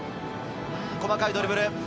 細かいドリブル。